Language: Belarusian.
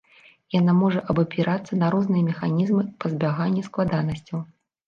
Яна можа абапірацца на розныя механізмы пазбягання складанасцяў.